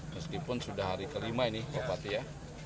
meskipun sudah hari kelima ini bupati ya